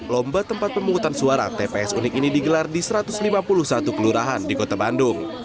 lomba tempat pemungutan suara tps unik ini digelar di satu ratus lima puluh satu kelurahan di kota bandung